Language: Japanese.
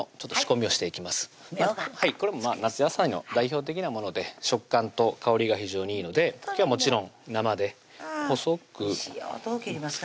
みょうがこれも夏野菜の代表的なもので食感と香りが非常にいいので今日はもちろん生で細くおいしいよどう切りますか？